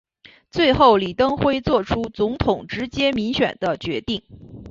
最后李登辉做出总统直接民选的决定。